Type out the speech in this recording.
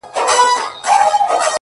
o د دوى په نيت ورسره نه اوسيږو،